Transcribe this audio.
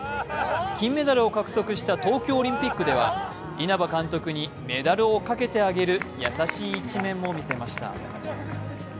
金メダルを獲得した東京オリンピックでは稲葉監督にメダルをかけてあげる優しい一面も見せました。